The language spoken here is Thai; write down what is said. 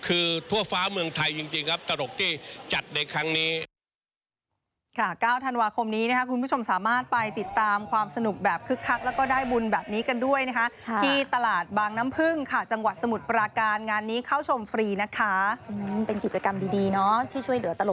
คือทั่วฟ้าเมืองไทยจริงครับตลกที่จัดในครั้งนี้